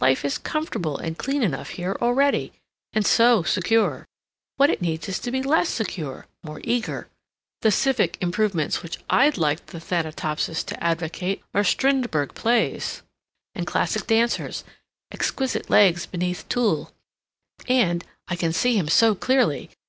Life is comfortable and clean enough here already. And so secure. What it needs is to be less secure, more eager. The civic improvements which I'd like the Thanatopsis to advocate are Strindberg plays, and classic dancers exquisite legs beneath tulle and (I can see him so clearly!)